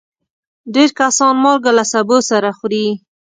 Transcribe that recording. ډېر کسان مالګه له سبو سره خوري.